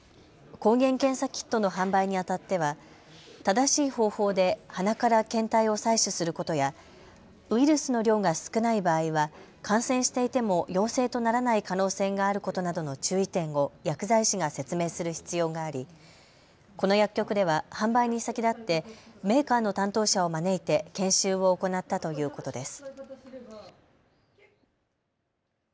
抗原検査キットの販売にあたっては正しい方法で鼻から検体を採取することやウイルスの量が少ない場合は感染していても陽性とならない可能性があることなどの注意点を薬剤師が説明する必要がありこの薬局では販売に先立ってメーカーの担当者を招いて研修を行ったということです。